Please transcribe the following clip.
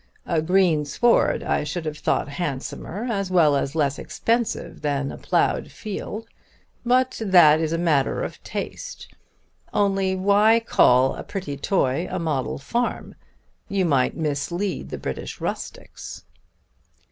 A green sward I should have thought handsomer, as well as less expensive, than a ploughed field, but that is a matter of taste. Only why call a pretty toy a model farm? You might mislead the British rustics."